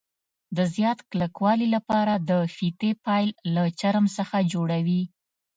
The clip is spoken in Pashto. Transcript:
د زیات کلکوالي له پاره د فیتې پیل له چرم څخه جوړوي.